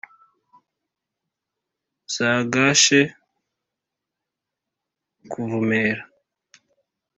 Zagashe kuvumera